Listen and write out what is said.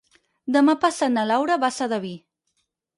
Demà passat na Laura va a Sedaví.